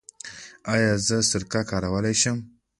ایا زه سرکه کارولی شم؟